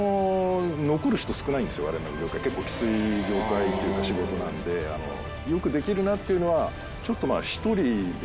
われわれの業界結構きつい業界っていうか仕事なんでよくできるなっていうのはちょっとまあ。